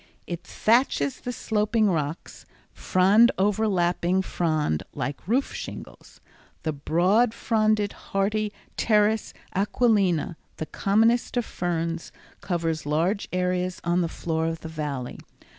It thatches the sloping rocks, frond overlapping frond like roof shingles. The broad fronded, hardy Pteris aquilina, the commonest of ferns, covers large areas on the floor of the Valley.